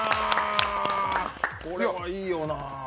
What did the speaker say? これはいいよな。